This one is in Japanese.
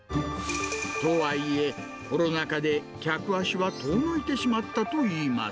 とはいえ、コロナ禍で客足は遠のいてしまったといいます。